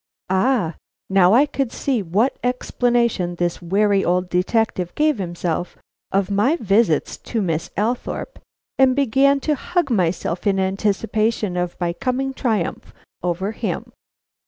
Ah, now I could see what explanation this wary old detective gave himself of my visits to Miss Althorpe, and began to hug myself in anticipation of my coming triumph over him.